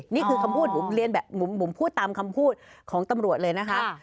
นี่คือคำพูดผมพูดตามคำพูดของตำรวจเลยนะครับ